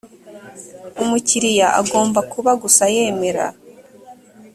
umukiriya agomba kuba gusa yemera